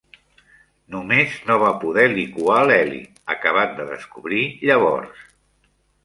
Només no va poder liquar l'heli, acabat de descobrir llavors.